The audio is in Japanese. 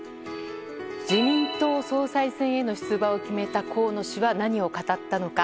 自民党総裁選への出馬を決めた河野氏は何を語ったのか。